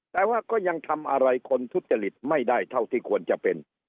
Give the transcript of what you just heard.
แต่ว่าก็ยังทำอะไรคนทุจริตไม่ได้เท่าที่ควรจะเป็น